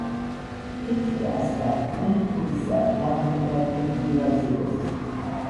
ჰკითხე ასთა, ქმენ გულისა, რა გინდა ვინ გივაზიროს.